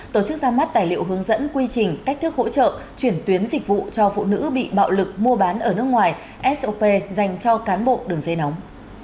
tổ chức ra mắt tài liệu hướng dẫn quy trình cách thức hỗ trợ chuyển tuyến dịch vụ cho phụ nữ bị bạo lực mua bán ở nước ngoài sop dành cho cán bộ đường dây nóng